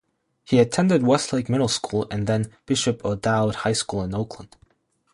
He attended Westlake Middle School and then Bishop O'Dowd High School in Oakland.